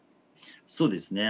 そうですね。